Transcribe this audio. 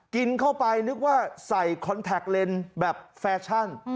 กินเข้าไปนึกว่าใส่คอนแท็กเลนส์แบบแฟชั่น